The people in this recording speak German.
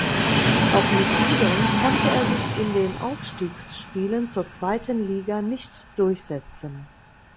Auch mit Udon konnte er sich in den Aufstiegsspielen zur zweiten Liga nicht durchsetzen.